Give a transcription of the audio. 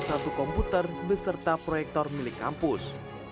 satu komputer beserta proyektor milik kampus